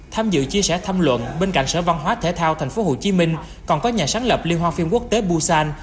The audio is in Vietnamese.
tham dự chia sẻ thăm luận bên cạnh sở văn hóa thể thao tp hcm còn có nhà sáng lập liên hoan phim quốc tế busan